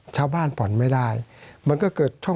สวัสดีครับทุกคน